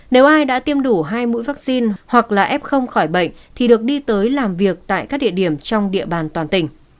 nếu ai đã tiêm đủ hai mũi vaccine hoặc là f khỏi bệnh thì được đi tới làm việc tại các địa điểm trong địa bàn toàn tỉnh